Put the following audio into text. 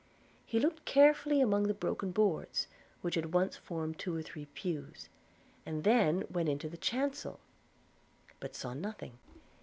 He looked carefully among the broken boards which had once formed two or three pews, and then went into the chancel, but saw nothing.